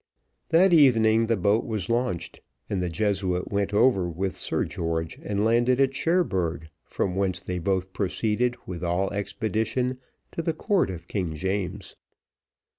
That evening the boat was launched, and the Jesuit went over with Sir George, and landed at Cherbourg, from whence they both proceeded with all expedition to the court of King James.